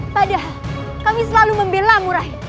padahal kami selalu membela murah